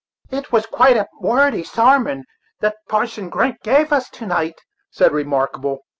"It was quite a wordy sarmon that Parson Grant gave us to night," said Remarkable.